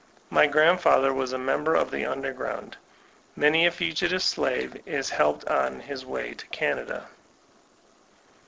My grandfather was a member of the ''underground"; many a fugitive ilavc be helped on his way to Canada.